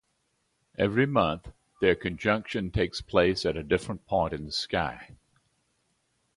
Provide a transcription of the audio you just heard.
Every month their conjunction takes place at a different point in the sky.